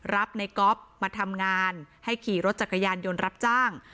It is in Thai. รับในก๊อฟมาทำงานให้ขี่รถจักรยานยนต์รับจ้าง